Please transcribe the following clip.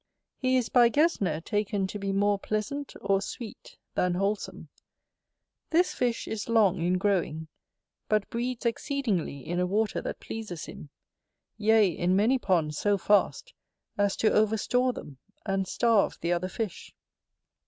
He is by Gesner taken to be more pleasant, or sweet, than wholesome. This fish is long in growing; but breeds exceedingly in a water that pleases him; yea, in many ponds so fast, as to overstore them, and starve the other fish.